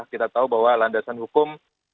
kita tahu bahwa landasan hukum